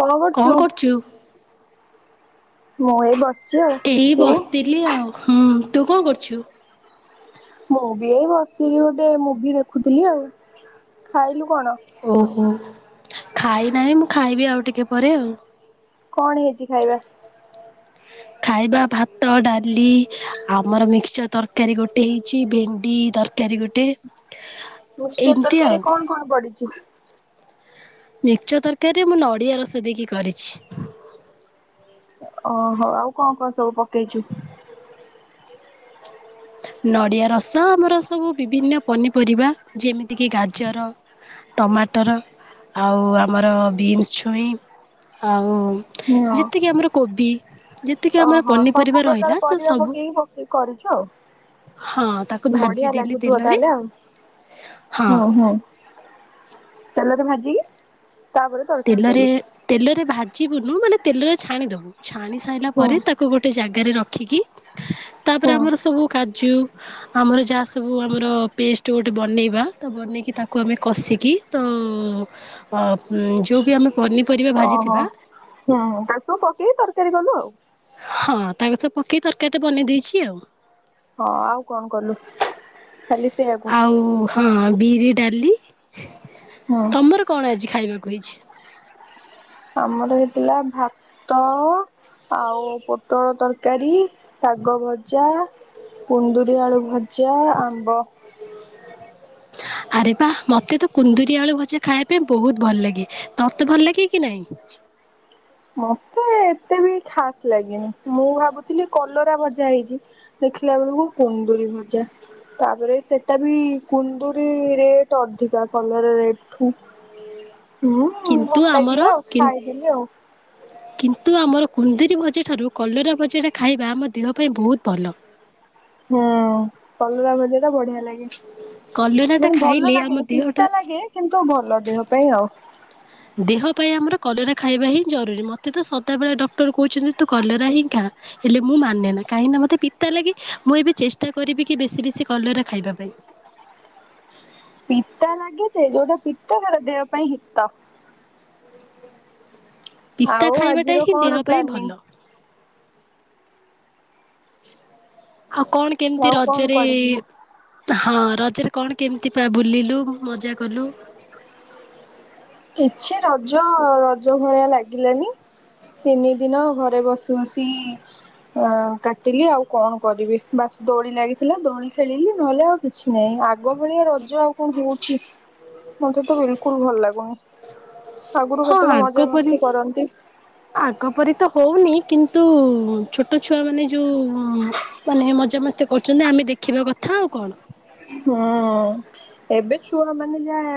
କଣ କରୁଛୁ ମୁଁ ଏ ବସି। ଏଇ ବସିଥିଲି ଆଉ ହୁଁ ତୁ କଣ କରୁଛୁ। ମୁଁ ବି ଏଇ ବସିକି ଗୋଟେ ମୁଭି ଦେଖୁଥିଲି ଆଉ ଖାଇଲୁ କଣ। ଓହୋ ଖାଇ ନାହିଁ ମୁଁ ଖାଇବି ଆଉ ଟିକେ ପରେ ଆଉ। କଣ ହେଇଛି ଖାଇବା? ହ [inaudible] ଖାଇବା ଭାତ, ଡାଲି ଆମର ମିକ୍ସଚର୍ ତରକାରୀ, ଗୋଟେ ହେଇଛି ଭେଣ୍ଡି ତରକାରୀ। ତରକାରି ଗୋଟେ। ମିକ୍ସଚର ଏମିତି ଆଉ। ତରକାରୀରେ କଣ କଣ ପଡିଛି? ମିକ୍ସଚର ତରକାରୀରେ ମୁଁ ନଡ଼ିଆ ରସ ଦେଇକି କରିଛି। ଓହୋ ଆଉ କଣ କଣ ସବୁ ପକେଇଛୁ? ନଡ଼ିଆ ରସ ଆମର ସବୁ ବିଭିନ୍ନ ପନିପରିବା ଯେମିତିକି ଗାଜର। ଟମାଟର ଆଉ ଆମର ବିନ୍ସ ଛୁଇଁ ଆଉ। ହୁଁ ଯେତିକି ଆମର କୋବି ଯେତିକି ଆମର ପନିପରିବା ରହିଲା ସେ ସବୁ। ତୁ କରିଛୁ। ହଁ ତାକୁ ବଢିଆ ଭାଜିଦେଲି ଲାଗୁଥିବ ତେଲରେ ତାହେଲେ ଆଉ ହଁ ହୁଁ ହୁଁ। ତେଲ ରେ ଭାଜିକି ତାପରେ। ତରକାରୀ ତେଲରେ କଲୁ। ତେଲରେ ଭାଜିବୁନୁ। ମାନେ ତେଲରେ ଛାଣିଦବୁ ଛାଣି ସାରିଲା ହୁଁ ପରେ ତାକୁ। ତାକୁ ଗୋଟେ ଜାଗାରେ ରଖିକି ହୁଁ ତାପରେ ଆମର ସବୁ କାଜୁ। ଆମର ଯାହା ସବୁ ଆମର ପେଷ୍ଟ ଗୋଟେ ବନେଇବା ତ ବନେଇକି ତାକୁ ଆମେ କଷିକି। ତ ଯେଉଁ ବି ଆମେ। ପନିପରିବା। ଓହୋ ଭାଜିଥିବା ହୁଁ ତାକୁ ସବୁ ପକେଇକି ତରକାରୀ କଲୁ ଆଉ। ହଁ ତାଙ୍କ ସହ ପକେଇ ତରକାରୀଟା ବନେଇ ଦେଇେଇଛି ଆଉ। ହଁ ଆଉ କଣ କଲୁ ଖାଲି ସେଆକୁ। ଆଉ ହଁ ବିରି ଡାଲି। ହୁଁ ତମର କଣ ଆଜି ଖାଇବାକୁ ହେଇଛି? ଆମର ହେଇଥିଲା ଭାତ ଆଉ ପୋଟଳ ତରକାରୀ ଶାଗ ଭଜା କୁଣ୍ଡୁରି ଆଳୁ ଭଜା ଆମ୍ବ। ଆରେ ବା ମୋତେ ତ କୁନ୍ଦୁରି ଆଳୁ ଭଜା ଖାଇବା ପାଇଁ ବହୁତ ଭଲ ଲାଗେ। ତତେ ଭଲ ଲାଗେ କି ନାହିଁ? ମତେ ଏତେ ବି ଖାସ ଲାଗିନି। ମୁଁ ଭାବୁଥିଲି କଲରା ଭଜା ହେଇଛି। ଦେଖିଲା ବେଳକୁ କୁନ୍ଦୁରୀ ଭଜା। ତାପରେ ସେଟା ବି କୁନ୍ଦୁରୀ ରେଟ ଅଧିକା କଲରା ରେଟଠୁ। ହୁଁ ହୁଁ ଭଲ ଲାଗିଲା ଆଉ ଖାଇଦେଲି ଆଉ। କିନ୍ତୁ ଆମର କୁନ୍ଦୁରୀ ଭଜା ଠାରୁ କଲରା ଭଜାଟା ଖାଇବା ଆମ ଦେହ ପାଇଁ ବହୁତ ଭଲ। ହୁ କଲରା ଭଜା ଟା ବଢିଆ ଲାଗେ। କଲରାଟା ମାନେ ଭଲ ଖାଇଲେ ଆମ ଲାଗେନି ଦେହଟା ପିତା ଲାଗେ କିନ୍ତୁ ଭଲ ଦେହ ପାଇଁ ଆଉ। ଦେହ ପାଇଁ ଆମର କଲେରା ଖାଇବା ହିଁ ଜରୁରୀ ମୋତେ ତ ସଦାବେଳେ ଡକ୍ଟର କହୁଛନ୍ତି ତୁ କଲେରା ହିଁ ଖା। ହେଲେ ମୁଁ ମାନେ ନା କାହିଁକିନା ମୋତେ ପିତା ଲାଗେ ମୁଁ ଏବେ ଚେଷ୍ଟା କରିବି କି ବେଶୀ ବେଶୀ କଲରା ଖାଇବା ପାଇଁ। ପିତା ଲାଗେ ଯେ ଯୋଉଟା ପିତା ସେଟା ଦେହ ପାଇଁ ହିତ। ପିତା ଆଉ ଖାଇବାଟା ଆଜିର ହିଁ ଦେହ କଣ ପାଇଁ ଭଲ। ପ୍ଲାନିଂ? ଆଉ କଣ କେମିତି ଆଉ କଣ ରଜରେ କୁଆଡେ ଯିବୁ? ହଁ ରଜରେ କଣ କେମିତି ପା ବୁଲିଲୁ ମଜା କଲୁ? କିଛି ରଜ ରଜ ଭଳିଆ ଲାଗିଲାନି ତିନି ଦିନ ଘରେ ବସି ବସି ଅ କାଟିଲି ଆଉ କଣ କରିବି ବାସ ଦୋଳି ଲାଗିଥିଲା ଦୋଳି ଖେଳିଲି ନହେଲେ ଆଉ କିଛି ନାଇଁ ଆଗ ଭଳିଆ ରଜ ଆଉ କଣ ହଉଛି ମତେ ତ ବିଲକୁଲ ଭଲ ଲାଗୁନି। ଆଗରୁ ହଁ କେତେକ ଆଗ ମଜାମସ୍ତି ପରି କରନ୍ତି। ଆଗପରି ତ ହଉନି କିନ୍ତୁ ଛୋଟ ଛୁଆମାନେ ଯୋଉ ମାନେ ମଜା ମସ୍ତି କରୁଛନ୍ତି ଆମେ ଦେଖିବା କଥା ଆଉ କଣ ହୁଁ ଏବେ ଛୁଆ ମାନେ ଯାହା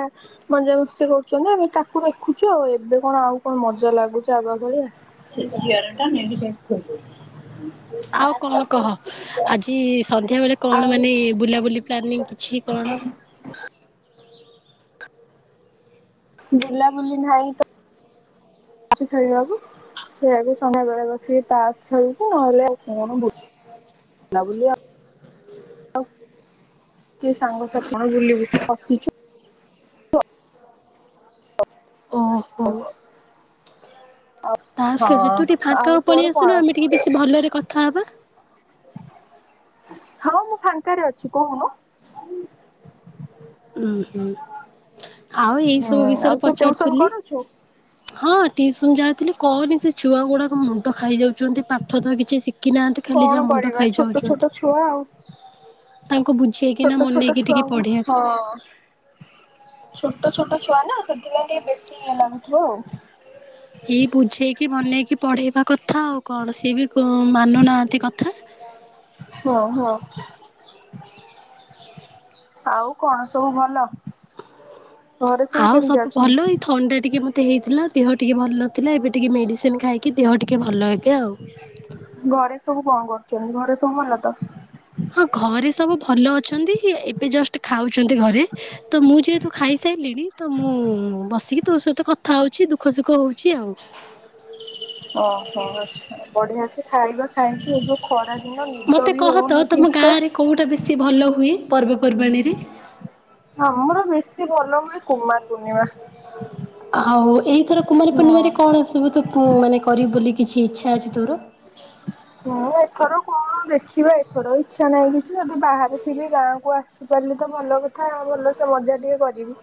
ମଜା ମସ୍ତି କରୁଛନ୍ତି ଆମେ ତାକୁ ଦେଖୁଛୁ। ଆଉ ଏବେ କଣ ଆଉ କଣ ମଜା ଲାଗୁଛି ଆଗ ଭଳିଆ। ସେ ଜିଇର ଟା ମେ ବି [inaudible] ଆଉ କଣ କହ। ଆଜି ସନ୍ଧ୍ୟା ବେଳେ କଣ ଆଉ ମାନେ ବୁଲାବୁଲି ପ୍ଲାନିଂ କିଛି କଣ? [inaudible] ବୁଲା ବୁଲି ନାହିଁ ତ ଖେଳିବାକୁ। ସେଇୟଆକୁ ସନ୍ଧ୍ୟା ବେଳେ ବସିକି ତାସ ଖେଳୁଛି ନହେଲେ ଆଉ କଣ ବୁ ବୁଲା ବୁଲି ଆଉ କିଏ ସାଙ୍ଗ ସାଥି ବୁଲିବୁ ହସୁଚୁ ଓହୋ! ତାସ ହଁ ଖେଳୁ ତୁ ଟିକେ ଆଉ ଫାଙ୍କାକୁ ତୋର ପଳେଇ କଣ ଆସୁନୁ ଆମେ ଟିକେ ବେଶ ଭଲରେ କଥା ହେବା। ହଁ ମୁଁ ଫାଙ୍କାରେ ଅଛି କହୁନୁ? ଉ ହୁଁ ଆଉ ହୁଁ ଏଇସବୁ ଆଉ ବିଷୟରେ ତୁ ଟିଉସନ ପଚାରୁଥିଲି? କରୁଛୁ ହଁ ଟିଉସନ ଯାଇଥିଲି କହନି ସେ ଛୁଆ ଗୁଡାକ ମୁଣ୍ଡ ଖାଇଯାଉଛନ୍ତି ପାଠ ତ କିଛି ଶି କି ନାହାନ୍ତି ଖାଲି କଣ ଯାହା ମୁଣ୍ଡ କରିବା ଛୋଟ ଛୋଟ ଖାଇଯାଉଛନ୍ତି। ଛୁଆ ଆଉ। ତାଙ୍କୁ ବୁ ଛୋଟ ଛୋଟ ଛୁଆଙ୍କୁ ହଁ ଛୋଟ ଛୋଟ ଛୁଆ ନା ସେଥିପାଇଁ ଟିକେ ବେଶୀ ଇଏ ଲାଗୁଥିବ ଆଉ। ଏଇ ବୁଝେଇକି ବନେଇକି ପଢେଇବା କଥା ଆଉ କଣ। ସେ ବି ମାନୁନାହାନ୍ତି କଥା। ହଁ ହଁ ଆଉ କଣ ସବୁ ଭଲ। ଘରେ ସବୁ ଆଉ କେମିତି ଭଲ ଅଛନ୍ତି? ଏଇ ଥଣ୍ଡା ଟିକେ ମୋତେ ହେଇଥିଲା। ଦେହ ଟିକେ ଭଲ ନଥିଲା। ଏବେ ଟିକେ ମେଡ଼ିସିନ ଖାଇକି ଦେହ ଟିକେ ଭଲ ଏବେ ଆଉ। ଘରେ ସବୁ କଣ କରୁଛନ୍ତି? ଘରେ ସବୁ ଭଲ ତ? ହଁ ଘରେ ସବୁ ଭଲ ଅଛନ୍ତି ଏବେ ଜଷ୍ଟ ଖାଉଛନ୍ତି ଘରେ। ତ ମୁଁ ଯେହେତୁ ଖାଇସାରିଲିଣି ତ ମୁଁ ବସିକି ତୋ ସହିତ କଥା ହଉଛି ଦୁଃଖ ସୁଖ ହଉଛି ଆଉ। ଓହୋ ଆଚ୍ଛା ବଢିଆ ସେ ଖାଇବା ଖାଇକି ଏ ଯଉ ଖରା ଦିନ ନିଦ ମୋତେ ବି କହ ତ ହଉନି ତମ ଠିକ ସେ! ଗାଁରେ କେଉଁଟା ବେଶୀ ଭଲ ହୁଏ ପର୍ବପର୍ବାଣୀ ରେ? ଆମର ବେଶୀ ଭଲ ହୁଏ କୁମାର ପୂର୍ଣ୍ଣିମା। ଆଉ ଏଇଥର କୁମାର ହଁ ପୂର୍ଣ୍ଣିମାରେ କଣ ଆସିବୁ ତୁ ମାନେ କରିବୁ ବୋଲି କିଛି ଇଚ୍ଛା ଅଛି ତୋର? ହଁ ଏଥର କଣ ଦେଖିବା ଏଥର ଇଚ୍ଛା ନାହିଁ କିଛି ଯଦି ବାହାରେ ଥିବେ ଗାଁକୁ ଆସ ଆସିପାରିଲି ତ ଭଲ କଥା ଆଉ ଭଲ ସେ ମଜା ଟିକେ କରିବି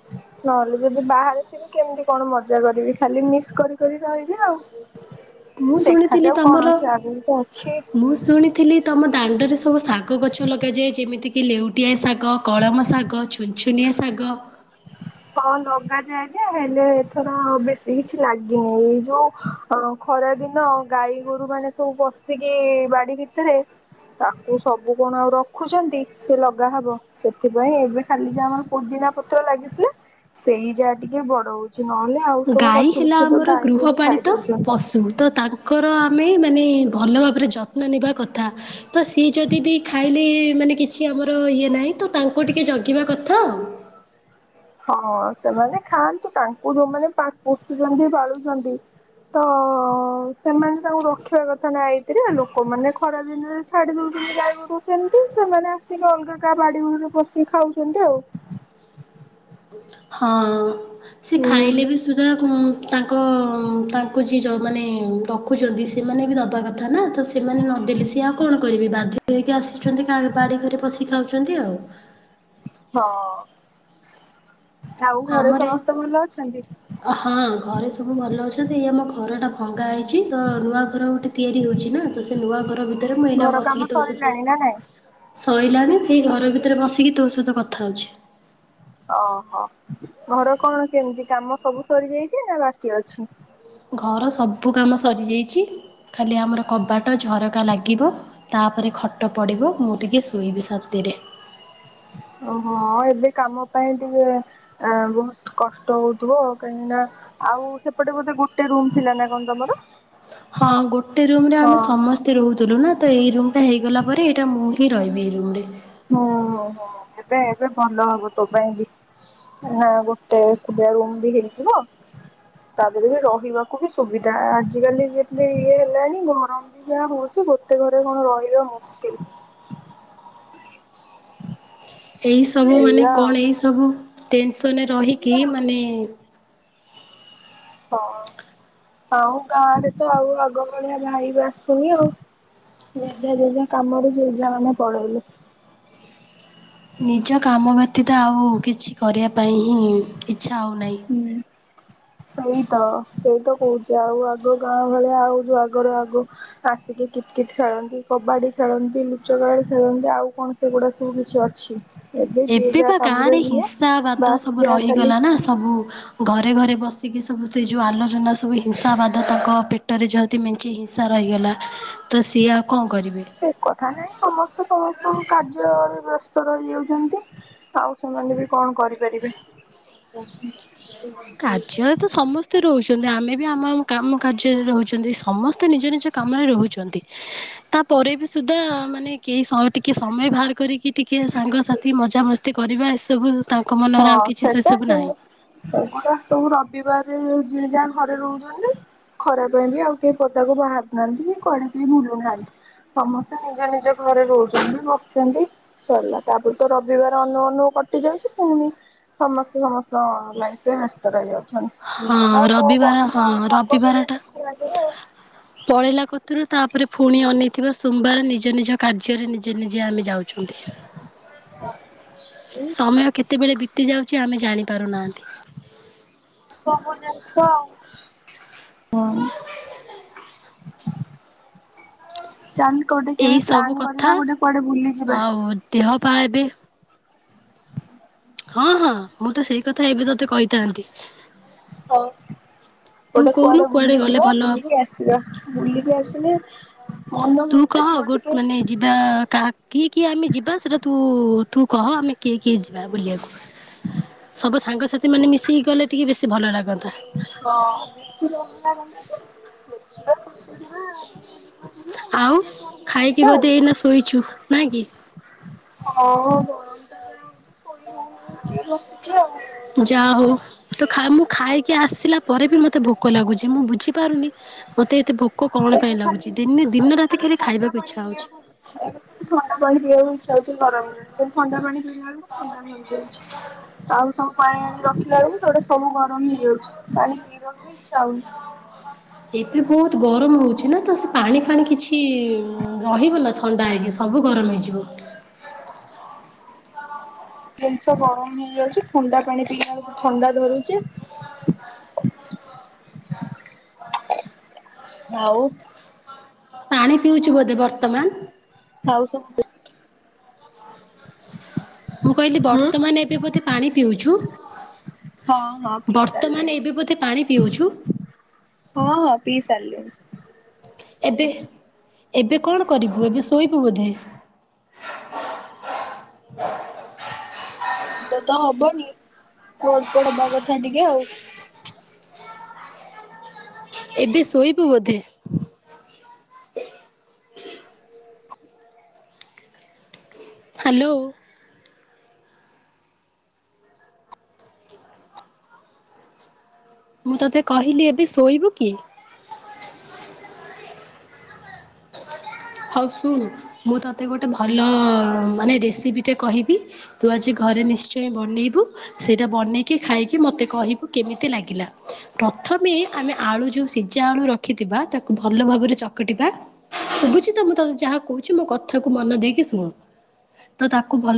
ନହେଲେ ଯଦି ବାହାରେ ଥି କେମତି କଣ ମଜା କରିବି ଖାଲି ମିସ୍ କରି କରି ରହିବି ଆଉ। ମୁଁ ଶୁଣିଥିଲି ଦେଖାଯାଉ କଣ ତମର ଅଛି ଆଗକୁ ତ ଅଛି। ମୁଁ ଶୁଣି ଥିଲି ତମ ଦାଣ୍ଡରେ ସବୁ ଶାଗ ଗଛ ଲଗାଯାଏ, ଯେମିତି କି ଲେଉଟିଆ ଶା କଳମ ଶାଗ, ଛୁନଛୁନିଆ ଶାଗ। ହଁ ଲଗାଯାଏ ଯେ ହେଲେ ଏଥର ବେଶୀ କିଛି ଲାଗିନି ଏଇ ଯୋଉ ହ ଖରା ଦିନ ଗାଈ ଗୋରୁ ମାନେ ସବୁ ପଶିକି ବାଡି ଭିତରେ ତାକୁ ସବୁ କଣ ଆଉ ରଖୁଛନ୍ତି ସେ ଲଗା ହବ ସେଥିପାଇଁ ଏବେ ଖାଲି ଯାହା ଆମର ପୁଦିନା ପତ୍ର ଲାଗିଥିଲା ସେଇ ଯାହା ଟିକେ ବଡ ହଉ। କିଛି ନହେଲେ ଆଉ ସବୁ ଗାଈ ଗଛ ହେଲା ବୁଛ ତ ଆମର ଗାଈ ଗୋରୁ ଖାଇ ଗୃହପାଳିତ ଦଉଛନ୍ତି। ପଶୁ ତ ତାଙ୍କ ତାଙ୍କର ଆମେ ମାନେ ଭଲ ଭାବରେ ଯତ୍ନ ନେବା କଥା। ତ ସିଏ ଯଦି ବି ଖାଇଲେ ମାନେ କିଛି ଆମର ଇଏ ନାହିଁ ତ ତାଙ୍କୁ ଟିକେ ଜଗିବା କଥା। ହଁ ସେମାନେ ଖାଆନ୍ତୁ ତାଙ୍କୁ ଯୋଉମାନେ ପୋଷୁଛନ୍ତି ପାଳୁଛନ୍ତି। ତ ସେମାନେ ତାଙ୍କୁ ରଖିବା କଥା ନାଁ ଏଇଥିରି ଲୋକମାନେ ଖରାଦିନରେ ଛାଡି ଦଉଛନ୍ତି ଗାଈଗୋରୁ ସେମିତି ସେମାନେ ଆସିକି ଅଲଗା କା ବାଡିଘରେ ପଶି ଖାଉଛନ୍ତି ଆଉ। ହଁ ସେ ହୁଁ। ଖାଇଲେ ବି ସୁଦ୍ଧା ଉଁ ତାଙ୍କ ତାଙ୍କୁ ଯିଏ ଯେଉଁମାନେ ରଖୁଛନ୍ତି ସେମାନେ ବି ଦେବା କଥା ନା ତ ସେମାନେ ନଦେଲେ ସିଏ ଆଉ କଣ କରିବେ ବାଧ୍ୟ ହେଇକି ଆସିଛନ୍ତି ବାଡିଘରେ ପଶି ଖାଉଛନ୍ତି ଆଉ। ହଁ ଆଉ ଘରେ ଆମର ସମସ୍ତେ ଭଲ ଅଛନ୍ତି? ହଁ ଘରେ ସବୁ ଭଲ ଅଛନ୍ତି ଏଇ ଆମ ଘରଟା ଭଙ୍ଗା ହେଇ ତ ନୂଆ ଘର ଗୋଟେ ତିଆରି ହଉଛି ନା ତ ସେ ନୂଆ ଘର ଭିତରେ ମୁଁ ଏଇନା ଘର କାମ ବସିକି ତୋ ସହିତ ସରିଲାଣି ନା ନାଇଁ? ସଇଲାଣି ସେଇ ଘର ଭିତରେ ବସିକି ତୋ ସହିତ କଥା ହଉଛି। ଓହୋ ଘର କଣ କେମିତି କାମ ସବୁ ସରିଯାଇଛି ନା ବାକି ଅଛି। ଘର ସବୁ କାମ ସରିଯାଇଛି ଖାଲି ଆମର କବାଟ ଝରକା ଲାଗିବ। ତାପରେ ଖଟ ପଡ଼ିବ ମୁଁ ଟିକେ ଶୋଇବି ଶାନ୍ତିରେ! ଓହୋ ଏବେ କାମ ପାଇଁ ଟିକେ ଆ ବହୁତ କଷ୍ଟ ହଉଥିବ ଆଉ କାହିଁକି ନା ଆଉ ସେପଟେ ବୋଧେ ଗୋଟେ ରୁମ ଥିଲା ନା କଣ ତମର? ହଁ ଗୋଟେ ରୁମରେ ଆମେ ହଁ ସମ ସ୍ତେ ରହୁଥିଲୁ ନା ତ ଏଇ ରୁମ୍ଟା ହେଇଗଲା ପରେ ଏଇଟା ମୁଁ ହିଁ ରହିବି ଏଇ ରୁମ୍ ରେ। ହୁଁ ହୁଁ ଏବେ ଏବେ ଭଲ ହବ ତୋ ପାଇଁ ବି। ହଁ ଗୋଟେ ଏକୁଟିଆ ରୁମ୍ ବି ହେଇଯିବ। ତା ପରେ ବି ରହିବାକୁ ବି ସୁବିଧା ଆଜିକାଲି ଯେମିତି ଇଏ ହେଲାଣି ଗରମ ଯାହା ହଉଛି ଗୋଟେ ଘରେ କଣ ରହିବା ମୁସ୍କିଲ। ଏଇସବୁ ମାନେ ଏଇଆ ଆଉ କଣ ଏଇସବୁ ଟେନସନରେ ରହିକି ମାନେ ହଁ ଆଉ ଗାଁ ରେ ତ ଆଉ ଆଗ ଭଳିଆ ଭାଇବ୍ ଆସୁନି ଆଉ। ଜେଝା ଜେଝା କାମରେ ଜେଝା ଆମ ପଳେଇଲେ। ନିଜ କାମ ବ୍ୟତୀତ ଆଉ କିଛି କରିବା ପାଇଁ ହିଁ ଇଚ୍ଛା ହେଉନାହିଁ। [inaudible] ହୁଁ। ସେଇ ତ ସେଇ ତ କହୁଛି ଆଉ ଆଗ ଗାଁ ଭଳିଆ ଆଉ ଯୋଉ ଆଗରୁ ଆଗ ଆସିକି କିଟ୍ କିଟ୍ ଖେଳନ୍ତି କବାଡି ଖେଳନ୍ତି ଲୁଚ କାଳି ଖେଳନ୍ତି ଆଉ କଣ ସେଗୁଡା ସବୁ କିଛି ଅଛି। ଯିଏ ଏବେ ଯାହା ପା କାମରେ ଗାଁରେ ଯିଏ ହିଂସାବାଦ ବାସ୍ ସବୁ ଯାହା ଖାଲି ରହିଗଲା ନା ସବୁ ଘରେ ଘରେ ବସିକି ସବୁ ସେ ଯେଉଁ ଆଲୋଚନା ସବୁ ହିଂସାବାଦ ତକ ପେଟରେ ଯା ଏତେ ମେଞ୍ଚି ହିଂସା ରହିଗଲା ତ ସିଏ ଆଉ କଣ କରିବେ। ସେ କଥା ନାଇଁ ସମସ୍ତେ ସମସ୍ତଙ୍କ କାର୍ଯ୍ୟରେ ଏବେ ବ୍ୟସ୍ତ ରହି ଯାଉଛନ୍ତି। ଆଉ ସେମାନେ ବି କଣ କରିପାରିବେ। କାର୍ଯ୍ୟରେ ତ ସମସ୍ତେ ରହୁଛନ୍ତି ଆମେ ବି ଆମ କାମ କାର୍ଯ୍ୟରେ ରହୁଛନ୍ତି ସମସ୍ତେ ନିଜ ନିଜ କାମରେ ରହୁଛନ୍ତି ତାପରେ ବି ସୁଧା ମାନେ କେହି ସହ ଟିକେ ସମୟ ବାହାର କରିକି ଟିକିଏ ସାଙ୍ଗସାଥି ମଜାମସ୍ତି କରିବା ଏସବୁ ତାଙ୍କ ମନରେ ହଁ ଆଉ କିଛି ସେ ସେଟା ସବୁ ନାହିଁ। [unintelligible] ସବୁ ରବିବାରେ ଯିଏ ଯାହା ଘରେ ରହୁଛନ୍ତି। ଖରା ପାଇଁ ବି ଆଉ କେହି ପଦାକୁ ବାହାରୁନାହାନ୍ତି କି କୁଆଡେ କେହି ବୁଲୁ ନାହାନ୍ତି। ସମସ୍ତେ ନିଜ ନିଜ ଘରେ ରହୁଛନ୍ତି ବସୁଛନ୍ତି। ସରିଲା ତାପରେ ତ ରବିବାର ଅନୋଉ ଅନୋଉ କଟି ଯାଉଛି। [unintelligible] ସମସ୍ତେ ସମସ୍ତ ଲାଇଫରେ ବେସ୍ ହଁ [unintelligible] ଆଉ କଣ ରବିବାର ହଁ କରିବା ଆଉ ଆଗ ଭଳିଆ ରବିବାରଟା କିଛି ଲାଗୁନି ଆଉ। [inaudible] ପଳେଇଲା କତୁରୁ ତାପରେ ପୁଣି ଅନେଇଥିବା ସୋମବାର ନିଜ ନିଜ କାର୍ଯ୍ୟରେ ନିଜେ ନିଜେ ଆମେ ଯାଉ ଛନ୍ତି ଏଇ ସମୟ କେତେବେଳେ ବିତି ଯାଉଛି ଆମେ ଜାଣି ପାରୁନାହାନ୍ତି। ହୁଁ। ଚାଲ୍ କୋଉଠି କେବେ ଏଇ ସବୁ ପ୍ଲାନ୍ କଥା କରିବା ଗୋଟେ କୁଆଡେ ବୁଲିଯିବା। ଆଉ ଦେହ ପା ଏବେ ହଁ ହଁ ମୁଁ ତ ସେଇ କଥା ଏବେ ତତେ କହିଥାନ୍ତି। ହଁ। ତୁ ଗୋଟେ କହୁନୁ କୁଆଡେ ଗଲେ ବୁଲିଯିବା ଭଲ ହବ? ବୁଲିକି ଆସିବା ବୁଲିକି ଆସିଲେ ମନ ତୁ ଭଲ କହ ଲାଗିବ ଗୋ ଟିକେ। ମାନେ ଯିବା କାହା କିଏ କିଏ ଆମେ ଯିବା ସେଟା ତୁ ତୁ କହ ଆମେ କିଏ କିଏ ଯିବା ବୁଲିବାକୁ। ସବୁ ସାଙ୍ଗସାଥି ମାନେ ମିଶିକି ଗଲେ ଟିକେ ବେଶୀ ଭଲ ଲାଗନ୍ତା। ହଁ ବେଶୀ ଭଲ ଲାଗନା ଦେଖିବା ପଚାରିବା ଆଜି ହଁ ଯିବା ଆଉ ଆମେ ତୋର ମୋର ଖାଇକି ଯିବା ଆଉ। ବୋଧେ ଏଇନା ଶୋଇଛୁ ନା କି? ହଁ ଗରମ ଟା ହୋଉଛି ଶୋଇ ହୋଉନି ଟିକେ ବସିଛି ଆଉ। ଯାହା ହୋଉ ତ ମୁଁ ଖାଇକି ଆସିଲା ପରେ ବି ମୋତେ ଭୋକ ଲାଗୁଛି ମୁଁ ବୁଝିପାରୁନି ମତେ ଏତେ ଭୋକ କଣ ଏବେ ପାଇଁ ଖାଲି ଲାଗୁଛି ଦିନେ ଦିନ ରାତି ଖଲି ଖାଇବାକୁ ଇଚ୍ଛା ହୋଉଛି। ଖାଇ ଥଣ୍ଡା ପାଣି ପିଇବାକୁ ଇଚ୍ଛା ହୋଉଛି ଗରମ ନା ଥଣ୍ଡା ପାଣି ପିଲାବେଳକୁ ଥଣ୍ଡା କମି ଯାଉଛି ଆଉ ସବୁ ପାଣି ଆଣି ରଖିଲା ବେଳକୁ ସେଟା ସବୁ ଗରମ ହେଇଯାଉଛି। ପାଣି ପିଇବାକୁ ବି ଇଚ୍ଛା ହୋଉନି। ଏବେ ବହୁତ ଗରମ ହୋଉଛି ନା ତ ସେ ପାଣି ଫାଣି କିଛି ରହିଗଲା ଥଣ୍ଡା ହେଇକି ସବୁ ଗରମ ହେଇଯିବ। ଜିନିଷ ଗରମ ହେଇଯାଉଛି ଥଣ୍ଡା ପାଣି ପିଇବା ବେଳକୁ ଥଣ୍ଡା ଧରୁଛି। ଆଉ ପାଣି ପିଉଚୁ ବୋଧେ ବର୍ତ୍ତମାନ? ଆଉ ସବୁ ମୁଁ କହିଲି ହଁ ବର୍ତ୍ତମାନ ଏବେ ବୋଧେ ପାଣି ପିଉଚୁ? ହଁ ପିଇ ବର୍ତ୍ତମାନ ସାରିଲେଣି ଏବେ ବୋଧେ ପାଣି ପିଉଚୁ? ହଁ ହଁ ପିଇ ସାରିଲିଣି। ଏବେ ଏବେ କଣ କରିବୁ ଏବେ ଶୋଇବୁ ବୋଧେ? ନିଦ ତ ହବନି ଗଡ ପଡ ହେବା କଥା ଟିକେ ଆଉ। ଏବେ ଶୋଇବୁ ବୋଧେ? ହ୍ୟାଲୋ। ମୁଁ ତତେ କହିଲି ଏବେ ଶୋଇବୁ କି? ହୋଉ ଶୁଣୁ ମୁଁ ତତେ ଗୋଟେ ଭଲ ମାନେ ରେସିପି ଟେ କହିବି। ତୁ ଆଜି ଘରେ ନିଶ୍ଚୟେ ବନେଇବୁ। ସେଇଟା ବନେଇକି ଖାଇକି ମତେ କହିବୁ କେମିତି ଲାଗିଲା, ପ୍ରଥମେ ଆମେ ଆଳୁ ଯୋଉ ସି ଚା ଆଳୁ ରଖିଥିବା ତାକୁ ଭଲ ଭାବରେ ଚକଟିବା, ସୁବୁଚି ମୁଁ ତତେ ଯାହା କୋହୁଚି ମୋ କଥା କୁ ମନ ଦେଇକି ଶୁଣୁ ତ ତାକୁ ଭଲ